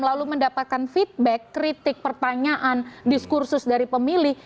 lalu mendapatkan feedback kritik pertanyaan diskursus dari pemilih